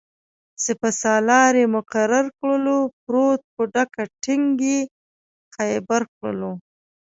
سپه سالار یې مقرر کړلو-پروت په ډکه ټینګ یې خیبر کړلو